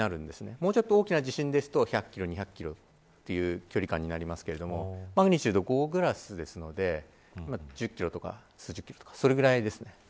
もうちょっと大きな地震ですと１００キロ、２００キロという距離感になりますけれどもマグニチュード５クラスですので１０キロとか数十キロとかそれぐらいです。